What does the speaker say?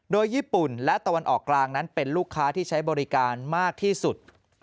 โดยญี่ปุ่นและตะวันออกกลางนั้นเป็นลูกค้าที่ใช้บริการมากที่สุด